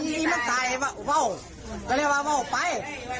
อันที่มันตายไปไป